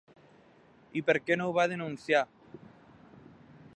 I per què no ho va denunciar?